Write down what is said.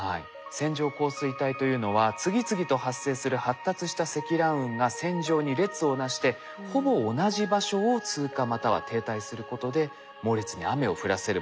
線状降水帯というのは次々と発生する発達した積乱雲が線状に列をなしてほぼ同じ場所を通過または停滞することで猛烈に雨を降らせるもの。